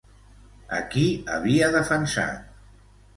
A qui havia defensat?